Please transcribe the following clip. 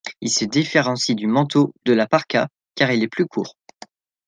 Il se différencie du manteau ou de la parka car il est plus court.